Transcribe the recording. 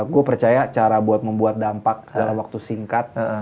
gue percaya cara buat membuat dampak dalam waktu singkat